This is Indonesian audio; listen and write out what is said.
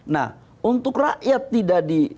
nah untuk rakyat tidak